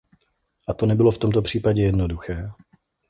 A to nebylo v tomto případě jednoduché.